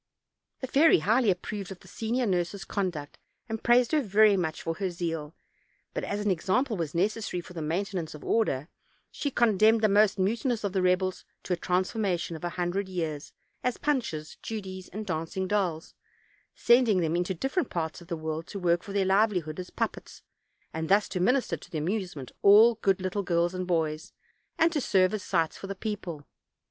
The fairy highly approved of the senior nurse's conduct, and praised her very much for her zeal; but, as an example was necessary, for the maintenance of order, she condemned the most mutinous of the rebels to a transformation of a hundred years, as punches, judies, and dancing dolls; sending them into different parts of the world to work for their livelihood as puppets, and thus to minister to the amuse ment of all good little girls and boys, and to serve as sights for the people.